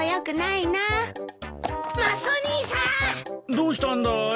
どうしたんだい？